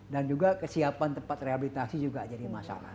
dan juga kesiapan tempat rehabilitasi juga jadi masalah